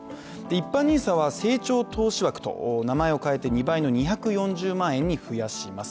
一般ＮＩＳＡは成長投資枠と名前を変えて２倍の２４０万円に増やします。